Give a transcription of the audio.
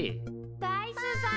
・ダイスさん！